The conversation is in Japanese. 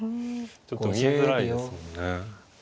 ちょっと見えづらいですもんね。